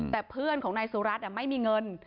แต่เพื่อนของนายสุรัตน์ไม่มีเงิน